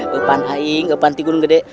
bukan hanya untuk tinggi